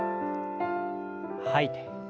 吐いて。